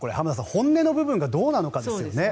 本音の部分がどうなのかですよね。